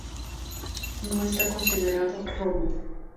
no está considerado robo